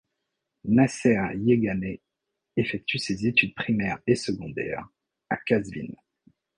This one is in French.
Nasser Yeganeh effectue ses études primaires et secondaires à Qazvin.